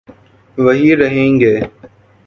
وہی رہیں گے۔